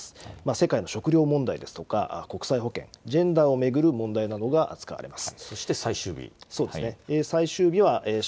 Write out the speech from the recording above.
世界の食料問題ですとかジェンダーなどを巡る問題が扱われます。